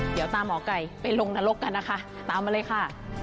เดี๋ยวตามหมอไก่ไปลงนรกกันนะคะตามมาเลยค่ะ